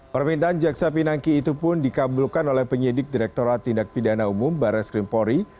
permintaan jaksa pinangki itu pun dikabulkan oleh penyidik direkturat tindak pindana umum baris krim polri